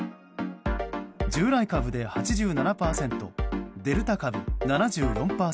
従来株で８７％デルタ株７４％。